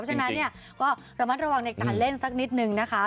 ฉะนั้นเนี่ยก็ระมัดระวังในการเล่นสักนิดนึงนะคะ